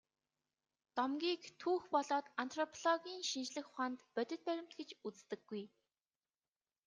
Домгийг түүх болоод антропологийн шинжлэх ухаанд бодит баримт гэж үздэггүй.